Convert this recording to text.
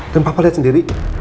dan papa lihat sendiri